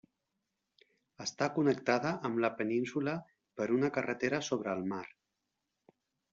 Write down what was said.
Està connectada amb la península per una carretera sobre el mar.